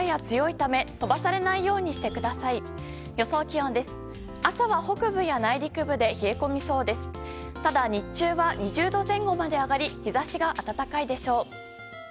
ただ、日中は２０度前後まで上がり日差しが暖かいでしょう。